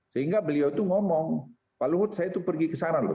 sehingga beliau itu ngomong pak luhut saya itu pergi ke sana loh